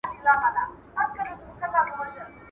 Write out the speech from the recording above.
په زارۍ به یې خیرات غوښت له څښتنه.